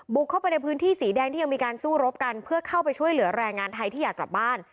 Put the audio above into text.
เข้าไปในพื้นที่สีแดงที่ยังมีการสู้รบกันเพื่อเข้าไปช่วยเหลือแรงงานไทยที่อยากกลับบ้าน